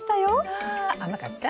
あ甘かった？